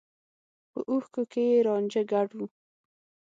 په اوښکو کې يې رانجه ګډ و.